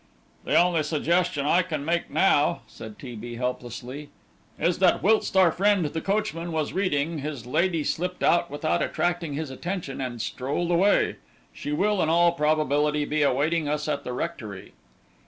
"The only suggestion I can make now," said T. B., helplessly, "is that whilst our friend the coachman was reading, his lady slipped out without attracting his attention and strolled away; she will in all probability be awaiting us at the rectory."